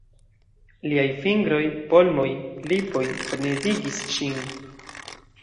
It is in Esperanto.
Liaj fingroj, polmoj, lipoj frenezigis ŝin.